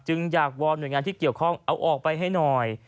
อยากวอนหน่วยงานที่เกี่ยวข้องเอาออกไปให้หน่อย